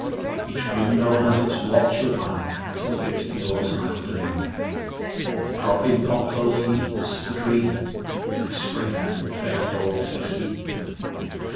Each window has its watcher wan To fit the autumn afternoon, The dropping poplar leaves, the dream Of spring that faded all too soon.